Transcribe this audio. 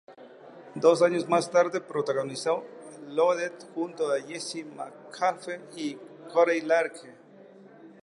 Dos años más tarde, protagonizó "Loaded" junto a Jesse Metcalfe y Corey Large.